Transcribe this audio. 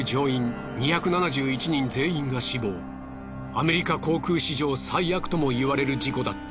アメリカ航空史上最悪とも言われる事故だった。